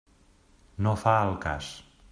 No fa al cas.